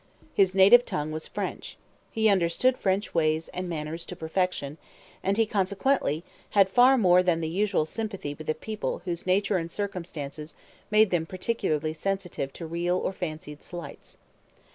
His native tongue was French. He understood French ways and manners to perfection; and he consequently had far more than the usual sympathy with a people whose nature and circumstances made them particularly sensitive to real or fancied slights.